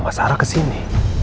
mama sarah ke sini